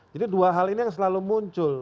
jadi dua hal ini yang selalu muncul